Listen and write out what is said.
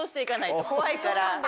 怖いから。